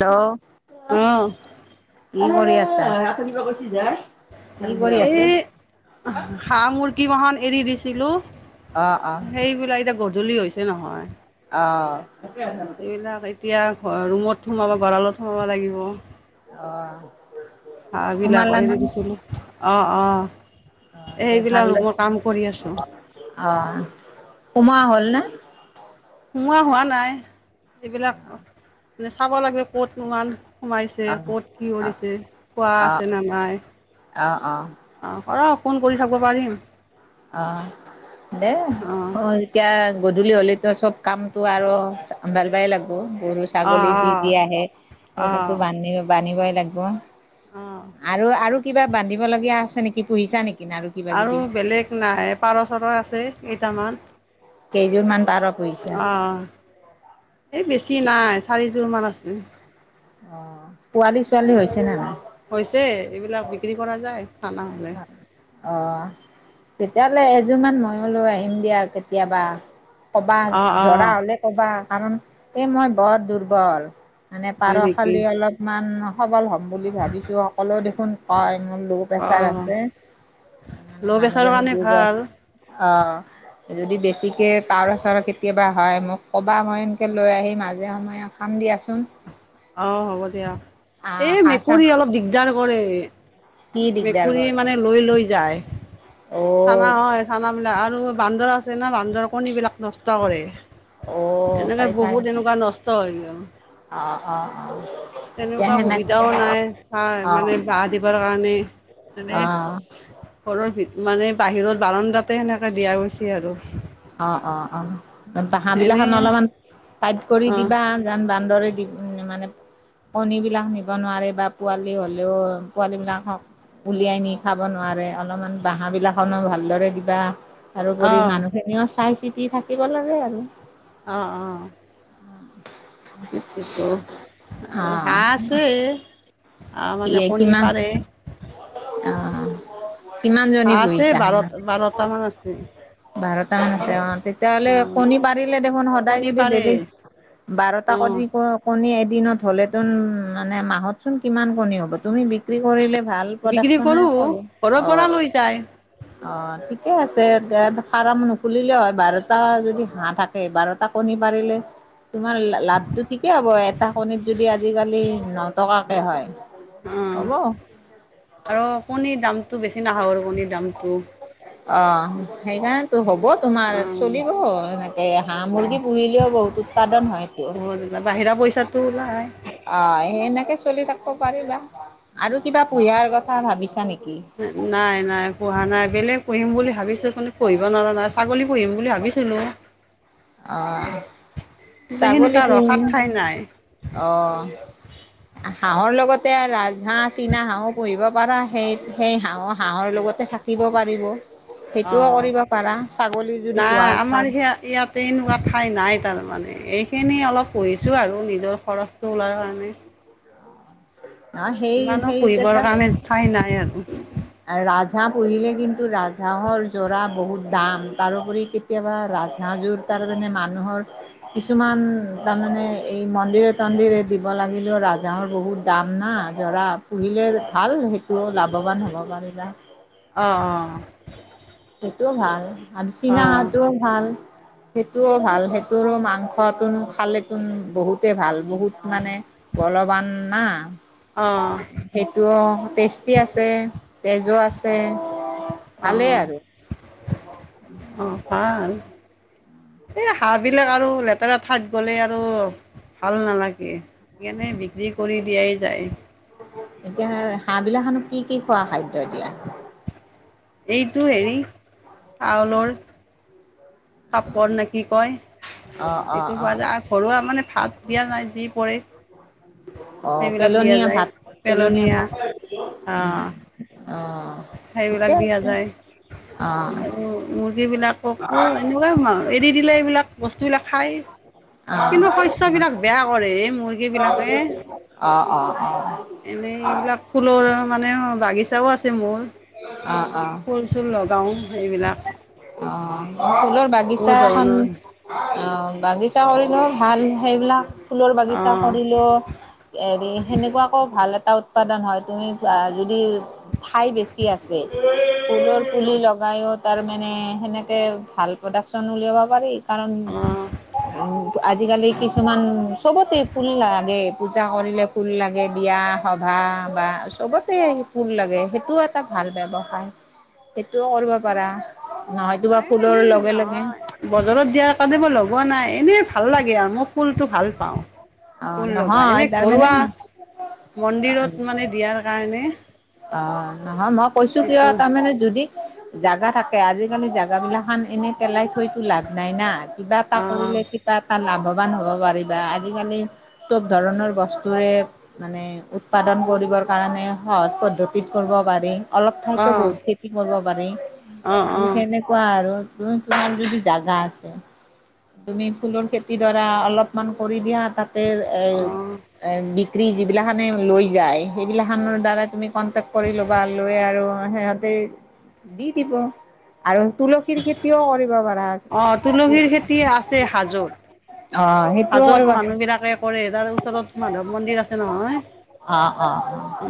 Hello অ', কি কৰি আছা। [unintelligible] কি কৰি আছে? এ হাঁহ মুৰ্গী বাহান এৰি দিছিলো? অ', অ', সেইবিলাক এতিয়া গধলি হৈছে নহয়। অঁ এইবিলাক এতিয়া ৰুমত সোমাব গঁৰা়লত সোমাব লাগিব! আহ হাহ বিলাকো এৰি দিছিলো অ অ। অ', দে ভাল সেইবিলাক মই লাগিছে, কাম কৰি আছো। অ উমা হ'ল ন। সোমোৱা হোৱা নাই এইবিলাক মানে চাব লাগে ক'ত কিমান। সোমাইছে অ', ক'ত কি অ', কৰিছে খোৱা অ', আছে ন নাই। অ', অ', আহ কৰ ফোন কৰি চাব পাৰিম। অ দেই অ এতিয়া গধূলি হলে। চব কামতটো আৰু ভাল পাই লাগব। গৰু ছাগলী যি যি অ', আহে সেইবিলাকো অ', বান্ধিব ব্ধিবই লাগিব? অ', অ'। আৰু আৰু কিবা বান্ধিব ল [unintelligible] গীয়া আছে নেকি পুহিছা নেকি আৰু কিবা কিবি। নাই পাৰ চৰ আছে কেইটামান? কেইযোৰমান পাৰ। কৰিছা অহ এই বেছি নাই চাৰিযোৰ মান আছে। অ পোৱালি ছোৱালী হৈছে ন হৈছে এইবিলাক নাই বিক্ৰী কৰা যায় খানা হলে অ তেতিয়াহ'লে এযোৰমান ময়ো লৈ আহিম দিয়া কেতিয়াবা? কবা অ' জৰা অ' হ'লে কবা কাৰণ এই মই বৰ দুৰ্বল। মানে হয় পাৰ নেকি খালি অলপমান সবল হ'ব। বুলি ভাবিছো সকললেও দেখোন কয় মোৰ ল' প্ৰেচাৰ আছে। অ' মানে ল' প্ৰেছাৰৰ মানুহজনী কাৰণে দুৰ্বল। ভাল অ যদি বেছিকে পাৰ চাৰ কেতিয়াবা? হয় মোক ক'বা মই এনেকৈ লৈ আহিম আজে সময়ে খাম দিয়াচোন? আহ হ'ব দিয়া আহ এই হাঁহ চাহ মেকুৰী অলপ দিগদাৰ কৰে কি দিগদাৰ মেকুৰী কৰে মানে লৈ লৈ যায়। চানা অ' হয় চানা বিলাক আৰু বান্দৰ আছে না বান্দৰ দৰকণিবিলাক নষ্ট কৰে। ‌ [unintelligible] অ' এনেকে বহুত সেইকাৰণে এনেকুৱা নষ্ট হৈ গৈ আৰু অ' অ' অ' এতিয়া তেনেকুৱা সেনেকে সুবিধাও নাই অ' মানে বাঁহ দিবৰ কাৰণে মানে অ' অ' ঘৰৰ মানে বাহিৰত বাৰানদাতে সেনেকে দিয়া গৈছে আৰু অ অ অ বাহ বিলাক এনেই অলপমান পাইট কৰি অঁ দিবা যোন বান্দৰে দি মানে কণী বিলাক নিব নোৱাৰে বা পোৱালি হলেও পোৱালী বিলাকক উলিয়াই নি খাব নোৱাৰে অলপমান বাহ বিলাকন ভালদৰে কিবা তাৰোপৰি অঁ মানুহ খিনিও চাই চিতি থাকিব লাগে আৰু আহ আহ সেইটো আৰু হাঁহ অ' আছে অহ মানে কণী কিমান পাৰে অ' কিমানজনী হাঁহ আছে বাৰটা বাৰটা মান আছে বাৰটা মান‌ আছে অ তেতিয়াহলে অঁ কণী পাৰিলে দেখোন সদায় কণী যদি পাৰে দেলি বাৰটা অঁ কৰি কণী বাৰ দিনত হলেচোন মানে মাহতচোন কিমান কণী হব তুমি বিক্ৰী কৰিলে ভাল বিক্ৰী প্ৰডাকচনে কৰোঁ পাব ঘৰৰ অ পৰা লৈ যায় অ ঠিকে আছে ফাৰ্ম নুখুলিলে হয় বাৰটা যদি হাঁহ থাকে বাৰটা কণী পাৰিলে তোমাৰ লাভটো ঠিকে হ'ব এটা কণীত যদি আজিকালি নটকাকে হয় অ হ'ব আৰু কণীৰ দামটো বেছি নাহাব আৰু কণীৰ দামটো- অ সেইকাৰণে হ'ব তোমাৰ অঁ চলিব এনেকে হাঁহ মুৰ্গী পুহিলেও বহুত উৎপাদন হয়টো পইছাটো ওলাই সেনেকে চলি থাকিব পাৰিবা আৰু কিবা পুহিয়াৰ কথা ভাবিছা নেকি? নাই নাই পোহা নাই বেলেগ পোহিম বুলি ভাবিছো কিন্তু পোহিব নোৱাৰা নহয় ছাগলী পুহিম বুলি ভাবিছিলো অ ছাগলী সেনেকুৱা ৰখাত পুহিম ঠাই নাই অ হাঁহৰ লগত তে ৰাজহাঁহ চীনা হাঁহো পুহিব পাৰা সেই সেই হাঁহ হাঁহৰ লগতে থাকিব পাৰিব সেইটোও অঁ কৰিব পাৰা ছাগলী যদি পোহা খাই ন এনেকোৱা ঠাই নাই তাৰমানে এইখিনি অলপ পুহিছো আৰু নিজৰ খৰচটো ওলাবৰ কাৰণে নাই ন সেই ইমানো পুহিবৰ সেইকেইটা কাৰণে ঠাই নাই আৰু ৰাজহাঁহ পুহিলে কিন্তু ৰাজহাঁহৰ জোৰা বহুত দাম তাৰোপৰি কেতিয়াবা হাঁহযোৰ তাৰ কাৰণে মানুহৰ কিছুমান তাৰমানে এই মন্দিৰে তন্দিৰে দিব লাগিলেও ৰাজহাহৰ বহুত দাম না জৰা পুহিলে ভাল সেইটো লাভৱান হ'ব পাৰিবা অঁ অঁ। সেইটোও ভাল আৰু চীনা হাঁটোও ভাল সেইটোও ভাল সেইটোৰো মাংস খোৱাতোন খালে তোন বহুতে ভাল বহুত মানে বলৱান না অঁ সেইটো টেষ্টি আছে তেজো আছে অহ ভালেই আৰু অহ পাৰা এ হাঁহ বিলাক আৰু লেতেৰা ঠাইত গ'লে আৰু ভাল নালাগে সেই কাৰণেই বিক্ৰী কৰি দিয়াই যায় এতিয়া হাঁহ বিলাকসন কি কি খোৱা খাদ্য এতিয়া এইটো হেৰি চাউলৰ চাপৰ নে কি কয় অ', অ', সেইটো পোৱা অ', যায় আৰু ঘৰুৱা মানে ভাত দিয়া নাই দি পৰে অ সেইবিলাক দিয়া পেলনীয়া যায় ভাত পেলনীয়া ভাত আহ অ সেইবিলাক ঠিকে দিয়া আছে যায় অ', আৰু মুৰ্গী বিলাক অ অ এনেকোৱা এৰি দিলে এইবিলাক বস্তুবিলাক খাই অ', কিন্তু শস্যবিলাক বেয়া কৰে এই মুৰ্গী বিলাকে অ', অ', মানে এইবিলাক ফুলৰ মানে বাগিচাও আছে মোৰ অ', অ', অ'। ফুল চুল লগাওঁ এইবিলাক অ ফুলৰ বাগিচা এখন ধৰণৰ অ বাগিচা হলো ভাল সেইবিলাক ফুলৰ বাগিচা অ', কৰিলো হেৰি সেনেকোৱাকো ভাল ভাল উৎপাদন হয় তুমি যদি ঠাই বেছি আছে ফুলৰ পুলি লগাই কাইয়ো তাৰ মানে সেনেকে ভাল প্ৰডাকচন উলিয়াব পাৰি কাৰণ অ', উ আজিকালি কিছুমান চবতে ফুল লাগে পূজা কৰিলে ফুল লাগে বিয়া সভা বা চবতে ফুল লাগে সেইটোও এটা ভাল ভাল ব্যৱসায় সেইটোও কৰিব পাৰা নহয়তো বা নাই ফুলৰ এনে লগে লগে নহয় বজাৰত দিয়া কাৰণেই লগোৱা নাই এনে ভাল লাগে আৰু মই ফুলটো ভাল পাওঁ অ ফুল লগা নহয় এনে ঘৰুৱা তাৰমানে মন্দিৰত মানে দিয়াৰ কাৰণে অঁ নহয় মই কৈছো কিয় সেইটো তাৰমানে যদি জাগা থাকে আজিকালি জেগা বিলাক খান এনেই পেলাই তো লাভ নাই না কিবা এটা অ', কৰিলে কিবা এটা লাভৱান হ'ব পাৰিবা আজিকালি চব ধৰণৰ বস্তুৰে মানে উৎপাদন কৰিবৰ কাৰণে সহজ পদ্ধতিত কৰিব পাৰি অলপ ঠাইতো অ', বহুত খেতি কৰিব পাৰি অ', অ', সনেকুৱা আৰু তাৰ যদি জাগা আছে তুমি ফুলৰ খেতিডৰা অলপমান কৰি দিয়া তাতে এ অ', এ বি যিবিলাখানে লৈ যায় সেইবিলাখনৰ দ্বাৰাই তুমি কণ্টেক্ট কৰি ল'বা লৈ আৰু সিহঁতে দি দিব আৰু তুলসীৰ খেতিও কৰিব পাৰ অঁ তুলসীৰ খেতি আছে হাজোত অঁ সেইটোও হাজোত কৰিবা মানুহ চোন বিলাকে কৰে তাৰ ওচৰত মাধৱ মন্দিৰ আছে নহয় অ অ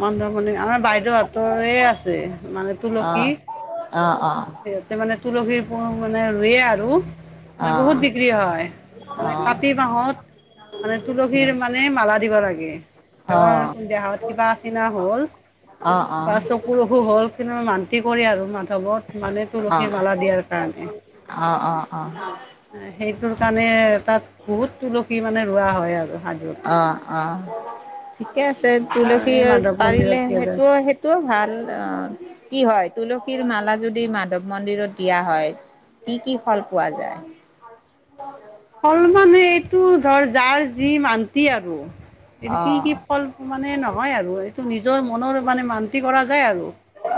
মান আমাৰ বাইদেউ হতৰে আছে মানে তুলসী অঁ অঁ অঁ। সিহঁতে মানে তুলসীৰ মানে ৰুয়ে আৰু মানে অ বহুত অ বিক্ৰী হয় মানে ক কাতি মাহত মানে তুলসীৰ মানে মালা দিব লাগে অ অ অ অ ধৰা দেহত কিবা আচিনা হ'ল অ ত চকুৰ অসুখ হ'ল মান্তি কৰে আৰু মাধৱত মানে তুলসী মালা দিয়াৰ কাৰণে অঁ অঁ সেইটোৰ কাৰণে তাত বহুত তুলসী মানে ৰোৱা হয় আৰু সাধুত অহ অহ ঠিকে আছে তুলসী এই মাধৱ পাৰিলে মন্দিৰত দিয়া যায় সেইটোও সেইটোও ভাল অ কি হয় তুলসীৰ মালা যদি মাধৱ মন্দিৰত দিয়া হয় কি কি ফল পোৱা যায় উম অলমান এইটো ধৰ যাৰ যি মান্তি আৰু অ এইটো কি কি ফল মানে নহয় আৰু এইটো নিজৰ মনৰ মানে মান্তি কৰা যায় আৰু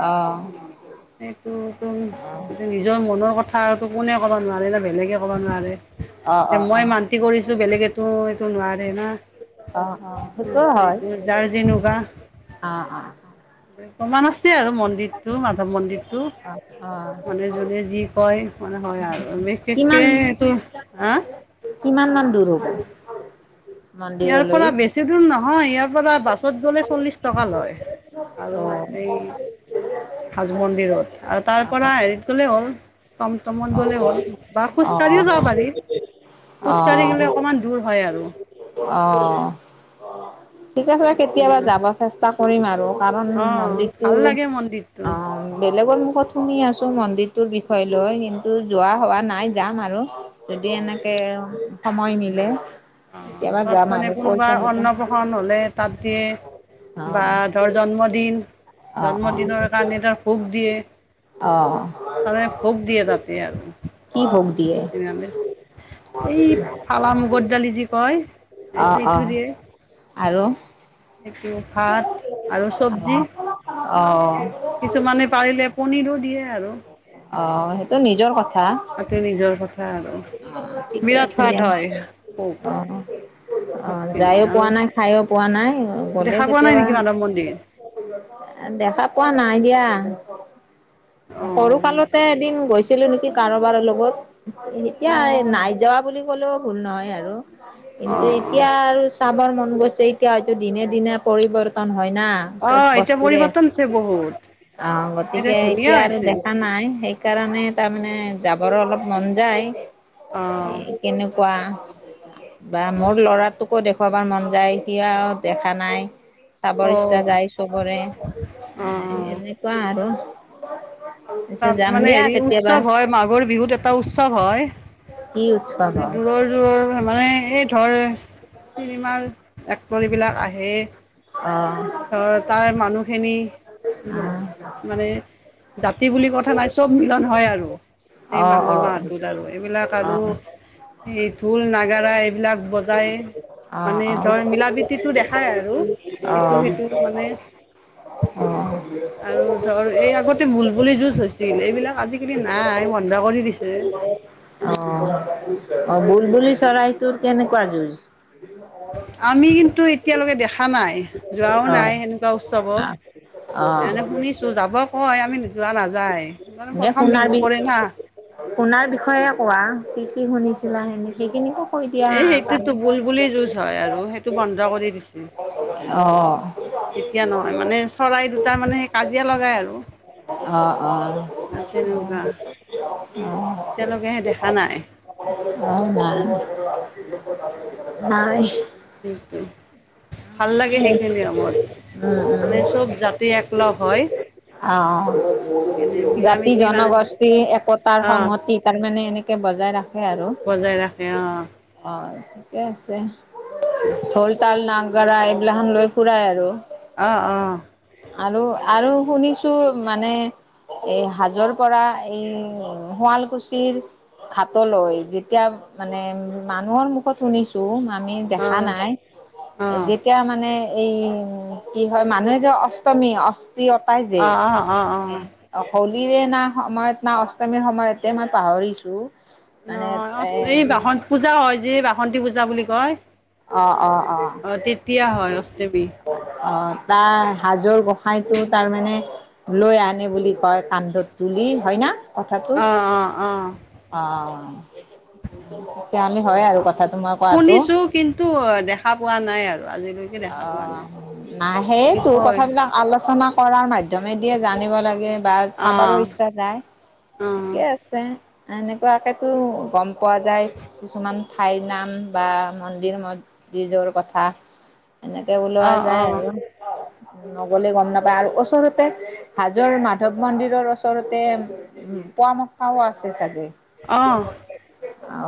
অ সেইটো নিজৰ মনৰ কথাটো কোনে ক'ব নোৱাৰে না বেলেগে ক'বা নোৱাৰে অ অ এ অ অ মই মান্তি কৰিছো বেলেগটো এইটো নোৱাৰে না অ সেইটোও হয় সেইটো যাৰ যেনেকুৱা অ অ প্ৰমান আছে আৰু মন্দিৰটো মাধৱ মন্দিৰটো অ অ মানে যোনে যি কয় মানে হয় আৰু বিশেষকে কিমান এইটো হা কিমান মান দূৰ হ'ব ইয়াৰ মন্দিৰলৈ পৰা বেছি দূৰ নহয় ইয়াৰ পৰা বাছত গলে চল্লিশ টকা লয় অ আৰু এই হাজো মন্দিৰত আৰু তাৰ পৰা অ হেৰিত গলে হ'ল তমটমত গ'লে হ'ল বা খোজকাঢ়িও যাওঁ পাৰি খোজকাঢ়ি গলে অকমান দূৰ হয় তাকেআৰু অহ ঠিক আছে কেতিয়াবা যাব চেষ্টা কৰিম আৰু কাৰণ অঁ মন্দিৰটো ভাল লাগে মন্দিৰটো অহ বেলেগৰ মুখত শুনি আছো মন্দিৰ তোৰ বিষয়ে লৈ কিন্তু যোৱা হোৱা নাই যাম আৰু যদি এনেকে সময় মিলে অহ কেতিয়াবা তাত যাম মানে আৰু কোনোবা পইচা চইচা অন্নপ্ৰশন্ন হলে তাত দিয়ে অ বা ধৰ জন্মদিন অ জন্মদিনৰ কাৰণে ধৰ ভোক দিয়ে অ অ তাৰে ভোক দিয়ে তাতে আৰু কি ভোগ দিয়ে আমি এই ফালা মুশুত দালি যি কয় অ অ সেইটো দিয়ে আৰু সেইটো ভাত আৰু চব্জি অহ অহ কিছুমানে পাৰিলে পনীৰো দিয়ে আৰু অ সেইটো নিজৰ কথা অ তোৰ নিজৰ কথা আৰু ঠিকে বিৰাট আছে দিয়া সোৱাদ হয় খুব অ অ যায়ো পোৱা নাই খাই পোৱা নাই গলে দেখা পোৱা নাই কেতিয়াবা নেকি মাধৱ মন্দিৰ দেখা পোৱা নাই দিয়া অঁ সৰু কালতে এদিন গৈছিলো নেকি কাৰোবাৰ লগত এতিয়া অঁ নাই যোৱা বুলি কলেও ভুল নহয় আৰু অঁ কিন্তু অঁ এতিয়া আৰু চা চাবৰৰ মন গৈছে এতিয়া হয়তো দিনে দিনে পৰিবৰ্তন হয় না চব অঁ এতিয়া বস্তুৰে পৰিৱৰ্তন হৈছে বহুত অ গতিকে ধুনীয়া এতিয়া আৰু হৈছে দেখা নাই সেইকাৰণে তাৰমানে যাবৰো অলপ মন যায় অঁ এ কেনেকুৱা বা মোৰ ল'ৰাটোকো দেখুৱাবাৰ মন যায় সি দেখা নাই চাবৰ ইচ্ছা অঁ যায় চবৰে এ অঁ এনেকুৱা আৰু পিছে তাত যাম মানে দিয়া হেৰি কেতিয়াবা উৎসৱ হয় মাঘৰ বিহুত এটা উৎসৱ উৎসৱ কি উৎসৱ হয়মানে হয় দূৰৰ দূৰৰ মানে এই ধৰ চিনেমাৰ এক্টৰ বিলাক আহে ধ তাৰ মানুহখিনি উম মানে জাতি বুলি কথা নাই চব মিলন হয় আৰু এই অহ অ অ মাঘৰ মাহটোত আৰু এইবিলাক অ অ অ আৰু এই ঢোল নাগাৰা এইবিলাক বজাই অ মানে ধৰ মিলা প্ৰীতিতটো দেখাই আৰু অ ইটো সিটো মানে অ আৰু ধৰ এই আগতে বুল বুলি যুজ ছিল এইবিলাক আজিকালি নাই বন্ধ কৰি দিছে অ অ বুলবুলি চৰাইটোোৰ কেনেকুৱা যুঁজ আমি কিন্তু এতিয়ালৈকে দেখা নাই যোৱাও অ নাই এনেকুৱা উৎসৱত অ এনে শুনিছো যাব কয় আমি যোৱা নাযায় এনে প্ৰথম শুনাৰ বিহু বি কৰি না শুনাৰ বিষয়ে কোৱা কি কি শুনিছিলা সেইখিনিকে কৈ দিয়া এই সেইটোতো বুল বুলি যুঁজ হয় আৰু সেইটো বন্ধ কৰি দিছে অ এতিয়া নহয় মানে চৰাই দু তাৰ মানে সেই কাজিয়া লগাই আৰু অ অ অ তেনেকুৱা এতিয়ালকেহে দে নাই [unintelligible] অ নাই [unintelligible] কিন্তু ভাল লাগে সেইখিনি আমাৰ উম উম মানে চব জাতি একলগ হয় অ সেইকাৰণে মিলা জাতি মিতি মানে জনগোষ্ঠী একতাৰ আহ সংহতি তাৰমানে এনে কে বজাই ৰাখে আৰু বজাই ৰাখে অ অ ঠিকে আছে ঢল তাল নাগৰা এইগিলাখান লৈ ফুৰাই আৰু অঁ অঁ আৰু আৰু শুনিছো মানে এই হাজৰ পৰা এই শুৱালকুছিৰ ঘাটলৈ যেতিয়া মানে মানুহৰ মুখত শুনিছো ম আমি অ দেখা নাই অ অ যেতিয়া মানে এই উ কি হয় মানুহে যে অষ্টমী অষ্টি অতাই যে অ অ অ অ এ পলিৰে না সময়ত না অষ্টমীৰ সময়তে মই পাহৰিছোঁ [unintelligible] অ অ এই বাসন্ত পূজা হয় যে বাসন্তি পূজা বুলি কয় অ অ অ তেতিয়া হয় অষ্টমী অ তাৰ হাজৰ গোসাইটো তাৰ মানে লৈ আনে বুলি কয় কান্ধত তুলি হয় ন কথাটো অ অ অ অ তেতি আমি হয় অ আৰু কথাটো মই কোৱাতো শুনিছো কিন্তু অ দেখা পোৱা নাই আৰু আজিলৈকে অ দেখা পোৱা নাই নেই এদি তোৰ কয় কথাবিলাক আলোচনা কৰঢাৰ মাধ্যমে দিয়ে জানিব লাগে বা অ চাবাৰো ইচ্ছা যায় অ ঠিকে আছে [unintelligible] এনেকুৱাকেতো গম পোৱা যায় কিছুমান ঠাইৰ নাম বা মন্দিৰ ম যিজৰ কথা এনেকে অ ওলোৱা অ যায় আৰু নগলে গম নাপায় আৰু ওচৰতে হাজৰ মাধৱ মন্দিৰৰ ওচৰতে পোৱা মক্কাও আছে চাগে আহ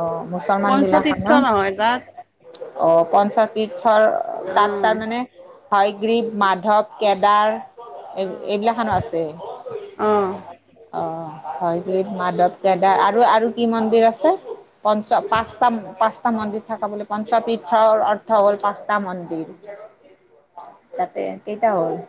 অ মুছলমান বিলাকৰ ন তাত অ পঞ্চতীৰ্থৰ অ তাত তাৰমানে হয়গ্ৰীব মাধ ধপ কেদাৰ এই অ এইবিলাকখনো আছে [unintelligible] অ অ হয়গ্ৰীৱ মাধৱ গেদা আৰু আৰু কি মন্দিৰ আছে প পাঁচটা পাঁচটা মন্দিৰ থকা বুলি পঞ্চতীৰ্থৰ অৰ্থ হ'ল পাঁচ মন্দিৰ তাতে কেইটা হ'ল